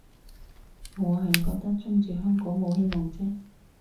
我係覺得中殖香港冇希望啫